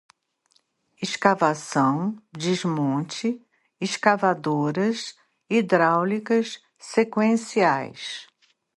escavação, desmonte, escavadoras hidráulicas, sequenciais